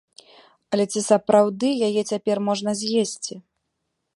Але ці сапраўды яе цяпер можна з'есці?